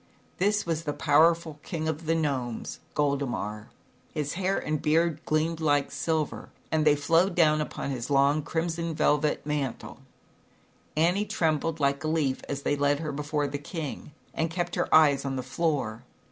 This was the powerful King of the Gnomes, Goldemar. His hair and beard gleamed like ilver ? as they flowed d< ZAUBERLINDA, THE WISE WITCH. 135 Annie trembled like a leaf, as they led her before the king, and kept her eyes on the floor.